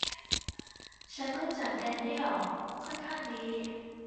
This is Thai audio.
ฉันรู้จักแดนเนียลค่อนข้างดี